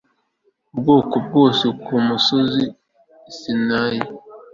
bwoko bwose ku musozi Sinayi